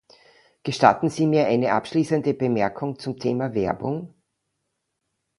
Gestatten Sie mir eine abschließende Bemerkung zum Thema Werbung.